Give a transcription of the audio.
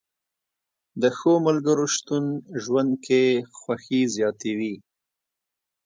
د ښو ملګرو شتون ژوند کې خوښي زیاتوي